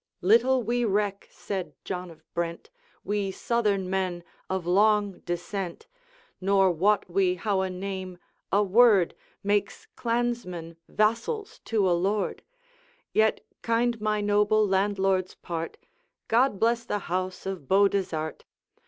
'Little we reck,' said John of Brent, 'We Southern men, of long descent; Nor wot we how a name a word Makes clansmen vassals to a lord: Yet kind my noble landlord's part, God bless the house of Beaudesert!